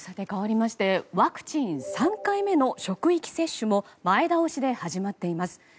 かわりましてワクチン３回目の職域接種も前倒しで始まっています。